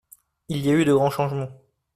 Il y a eu de grands changements.